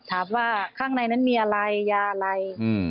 ถามว่าข้างในนั้นมีอะไรยาอะไร